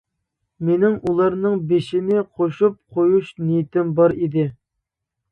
مېنىڭ ئۇلارنىڭ بېشىنى قوشۇپ قويۇش نىيىتىم بار ئىدى.